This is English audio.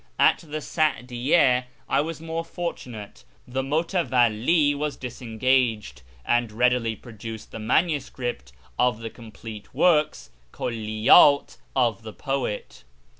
At the Sadiyyd I was more fortunate ; the mutaivalli was disengaged, and readily produced the manuscript of the complete works {hulliydt) of the poet.